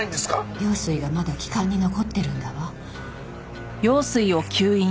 羊水がまだ気管に残ってるんだわ。